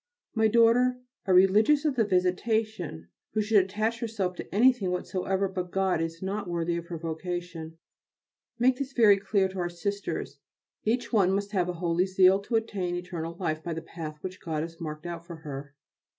My daughter, a Religious of the Visitation who should attach herself to anything whatsoever but God is not worthy of her vocation. Make this very clear to our Sisters. Each one must have a holy zeal to attain eternal life by the path which God has marked out for her.